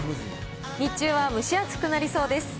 日中は蒸し暑くなりそうです。